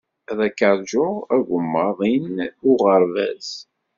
Ad k-ṛjuɣ agemmaḍ-in i uɣerbaz.